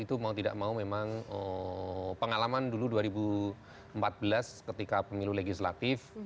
itu mau tidak mau memang pengalaman dulu dua ribu empat belas ketika pemilu legislatif